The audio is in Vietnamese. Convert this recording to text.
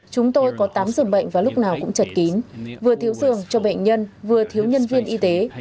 chúng tôi có tám dường bệnh và lúc nào cũng chật kín vừa thiếu dường cho bệnh nhân vừa thiếu nhân viên y tế